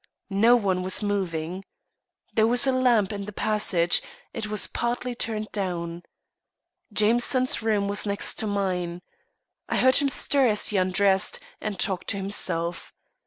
No one was moving. There was a lamp in the passage; it was partly turned down. Jameson's room was next to mine. I heard him stir as he undressed, and talk to himself.